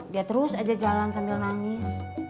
dia terus aja jalan sambil nangis